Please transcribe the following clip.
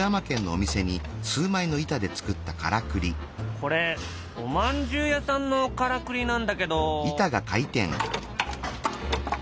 これおまんじゅう屋さんのからくりなんだけど。